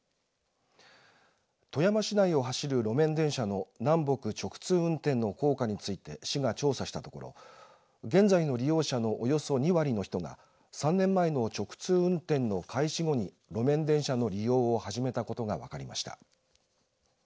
富山市内を走る路面電車の南北直通運転の効果について市が調査したところ現在の利用者のおよそ２割の人が３年前の直通運転の開始後に路面電車の利用を始めたことが分かりました。